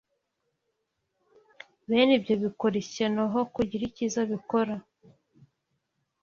Bene ibyo bikora ishyano aho kugira icyiza bikora